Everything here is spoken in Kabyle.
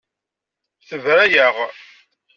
Tebra-yaɣ.